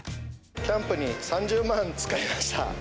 キャンプに３０万使いました。